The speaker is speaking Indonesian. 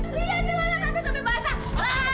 lihat lala tante sampai basah